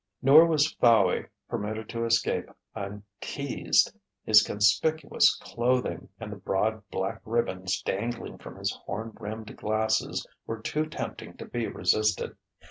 Nor was Fowey permitted to escape unteased: his conspicuous clothing, and the broad black ribbons dangling from his horn rimmed glasses were too tempting to be resisted.